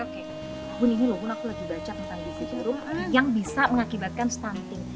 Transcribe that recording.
tahun ini loh aku lagi baca tentang gizi jeruk yang bisa mengakibatkan stunting